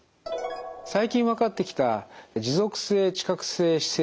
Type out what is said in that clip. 最近分かってきた持続性知覚性姿勢